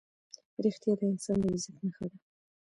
رښتیا د انسان د عزت نښه ده.